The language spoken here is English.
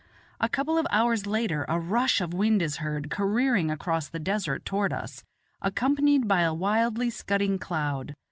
A couple of hours later a rush of wind is heard careering across the desert toward us, accompanied by a wildly scudding cloud.